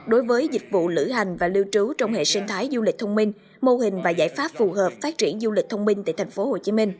đối với dịch vụ lữ hành và lưu trú trong hệ sinh thái du lịch thông minh mô hình và giải pháp phù hợp phát triển du lịch thông minh tại tp hcm